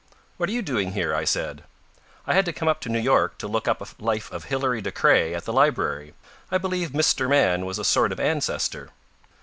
"What are you doing here?" I said. "I had to come up to New York to look up a life of Hilary de Craye at the library. I believe Mister Man was a sort of ancestor."